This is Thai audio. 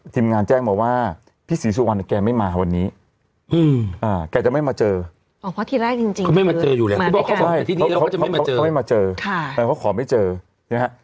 พี่ธรรมไว้ที่ทรีย์สู่วันเดินแจ้งว่า